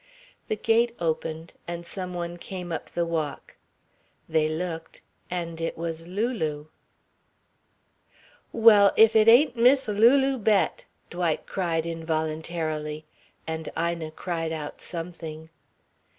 The gate opened, and some one came up the walk. They looked, and it was Lulu. "Well, if it ain't Miss Lulu Bett!" Dwight cried involuntarily, and Ina cried out something.